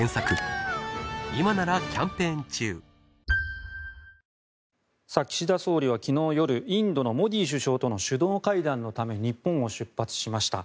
無糖岸田総理は昨日夜インドのモディ首相との首脳会談のため日本を出発しました。